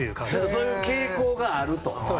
そういう傾向があると。